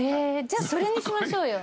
じゃそれにしましょうよ。